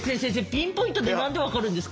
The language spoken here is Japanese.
ピンポイントで何で分かるんですか？